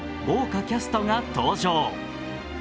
豪華キャストが登場。